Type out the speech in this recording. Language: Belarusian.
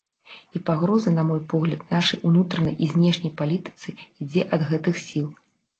І пагроза, на мой погляд, нашай унутранай і знешняй палітыцы ідзе ад гэтых сіл.